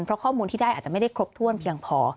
เพราะข้อมูลที่ได้อาจจะไม่ได้ครบถ้วนเพียงพอ